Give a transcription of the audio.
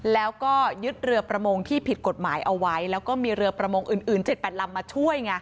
แล้วก็ยึดเรือประมงที่ผิดกฎหมายเอาไว้แล้วก็มีเรือประมงอื่น๗๘ลำมาช่วยไง